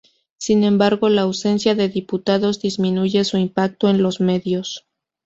Sin embargo la ausencia de diputados disminuye su impacto en los medios.